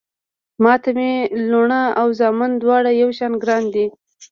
ما ته مې لوڼه او زامن دواړه يو شان ګران دي